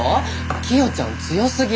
キヨちゃん強すぎ！